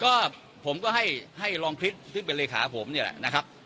ส่วนไหนบ้างก็ผมก็ให้ให้ลองคิดซึ่งเป็นเลขาผมเนี่ยแหละนะครับ